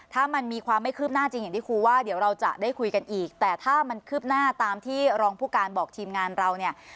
ถ้ามันมีความไม่คืบหน้าจริงอย่างที่ครูว่าเดี๋ยวเราจะได้คุยกันอีกแต่ถ้ามันคืบหน้าตามที่รองผู้การบอกทีมงานเราเนี่ย